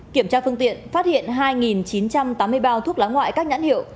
kiểm tra phương tiện phát hiện hai chín trăm tám mươi bao thuốc lá ngoại các nhãn hiệu